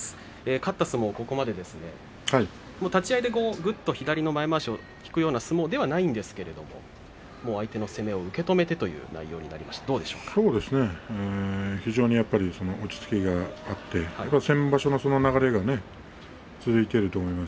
勝った相撲、ここまで立ち合いでぐっと左の前まわしを引くような相撲ではないんですが相手の攻めを受け止めてという非常に落ち着きがあって先場所の流れが続いていると思います。